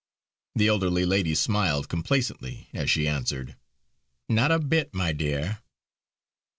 The elderly lady smiled complacently as she answered: "Not a bit, my dear!"